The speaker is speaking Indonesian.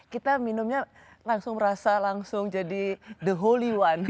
kita minumnya langsung merasa langsung jadi the holy wine